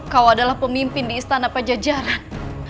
kau adalah pemimpin di istana pajajaran